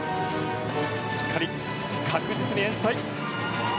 しっかりと確実に演じたい。